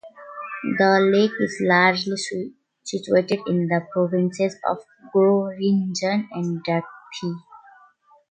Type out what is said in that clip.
The lake is largely situated in the provinces of Groningen and Drenthe.